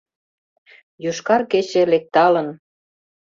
Йошкар кече, лекталын